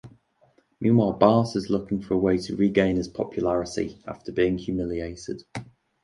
Meanwhile, Bart is looking for a way to regain his popularity after being humiliated.